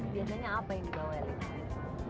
biasanya apa yang dibawelin